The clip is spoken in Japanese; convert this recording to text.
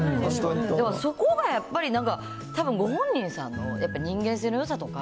でもそこがやっぱり、たぶんご本人さんのやっぱ人間性のよさとか